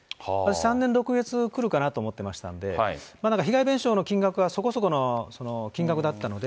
３年６か月くるかなと思ってましたんで、被害弁償の金額がそこそこの金額だったので。